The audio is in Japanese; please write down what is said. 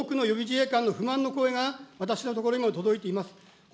総理、多くの予備自衛官の不満の声が私の所にも届いています。